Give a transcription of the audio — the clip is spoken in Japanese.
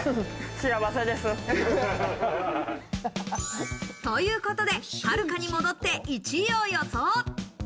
幸せです！ということで、はるかに戻って１位を予想。